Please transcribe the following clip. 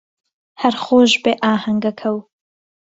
ههر خۆش بێ ئاههنگهکهو